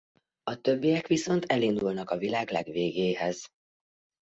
A többiek viszont elindulnak a világ legvégéhez.